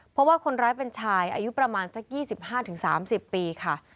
เพราะว่าคนร้ายเป็นชายอายุประมาณสัก๒๕๓๐ปีค่ะ